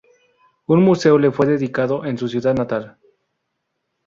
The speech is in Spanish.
Un museo le fue dedicado en su ciudad natal.